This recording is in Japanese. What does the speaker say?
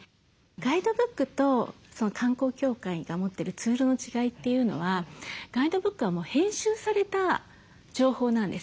ガイドブックと観光協会が持ってるツールの違いというのはガイドブックはもう編集された情報なんですよね。